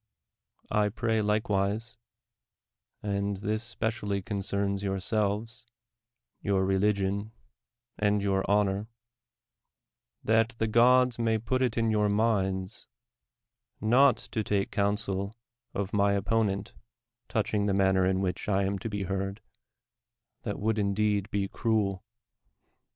I pray likewise — and this specially concerns yourselves, your religion, and your honor — that the gods may put it in yv/ur minds, not to take counsel of my opponent touching the manner in which I am to be heard — that would indeed be cruel